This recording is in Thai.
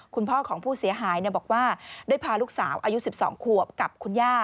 คุณพ่อของผู้เสียหายบอกว่าได้พาลูกสาวอายุ๑๒ขวบกับคุณย่า